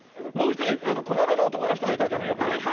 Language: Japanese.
もう一人小柄な男の人がいたじゃない横に。